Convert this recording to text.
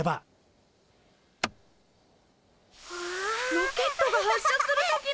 ロケットが発射する時の！